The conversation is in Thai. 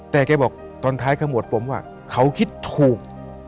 แต่แกบอกตอนท้ายขมวดผมเขาคิดถูก